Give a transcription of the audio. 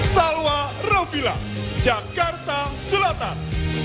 salwa raufila jakarta selatan